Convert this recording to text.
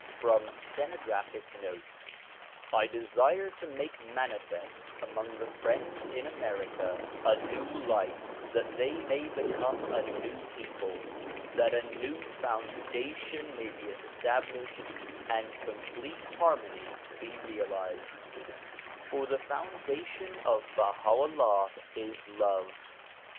From Stenographic Notes I DESIRE to make manifest among the friends in America a new light that they may become a new people, that a new foundation may be established and complete harmony be realized ; for the foundation of Baha 'Ullah is love.